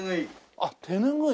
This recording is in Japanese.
あっ手ぬぐい。